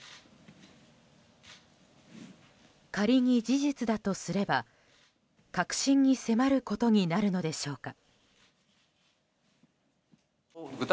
仮に事実だとすれば核心に迫ることになるのでしょうか。